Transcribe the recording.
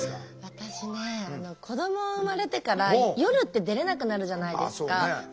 私ね子ども生まれてから夜って出れなくなるじゃないですか。